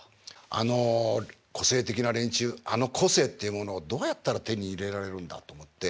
あの個性的な連中あの個性っていうものをどうやったら手に入れられるんだと思って。